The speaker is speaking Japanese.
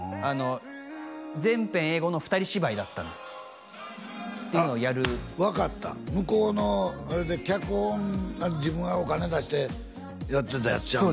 全編英語の２人芝居だったんですあ分かった向こうのあれで脚本自分がお金出してやってたやつちゃうん？